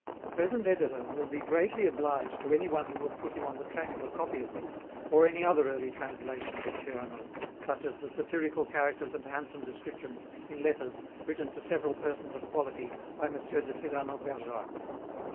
The present editor will be greatly obliged to any one who will put him on the track of a copy of this, or any other early translation from Cyrano, such as the "Satyrical Characters and handsome Descriptions, in Letters, written to several Persons of Quality, by Monsieur De Cyrano Bergerac.